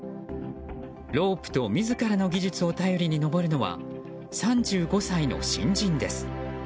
ロープと自らの技術を頼りに登るのは３５歳の新人です。